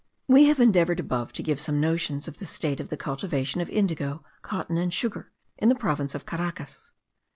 We have endeavoured above to give some notions of the state of the cultivation of indigo, cotton, and sugar, in the province of Caracas.